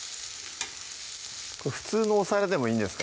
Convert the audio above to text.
普通のお皿でもいいんですか？